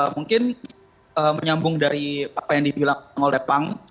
mungkin menyambung dari apa yang dibilang oleh pang